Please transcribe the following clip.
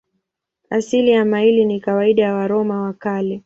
Asili ya maili ni kawaida ya Waroma wa Kale.